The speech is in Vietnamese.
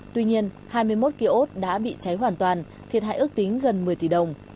tuy nhiên hai mươi một kiosk đã bị cháy hoàn toàn thiệt hại ước tính gần một mươi tỷ đồng